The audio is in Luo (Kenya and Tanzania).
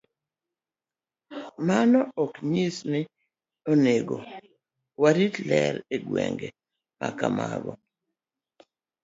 Mano ok nyis ni ok onego warit ler e gwenge ma kamago.